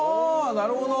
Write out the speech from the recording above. なるほど」